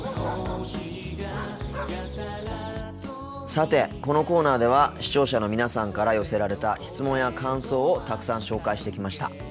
さてこのコーナーでは視聴者の皆さんから寄せられた質問や感想をたくさん紹介してきました。